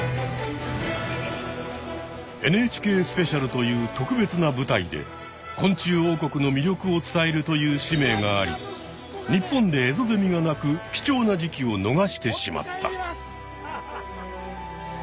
「ＮＨＫスペシャル」という特別な舞台で昆虫王国の魅力を伝えるという使命があり日本でエゾゼミが鳴く貴重な時期を逃してしまった。